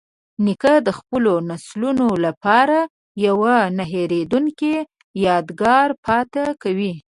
نیکه د خپلو نسلونو لپاره یوه نه هیریدونکې یادګار پاتې کوي.